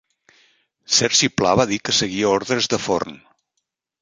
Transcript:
Sergi Pla va dir que seguia ordres de Forn.